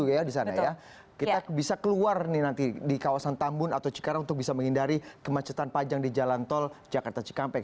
kita bisa keluar nih nanti di kawasan tambun atau cikarang untuk bisa menghindari kemacetan panjang di jalan tol jakarta cikampek